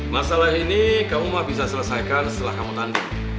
masalah ini kamu bisa selesaikan setelah kamu tanding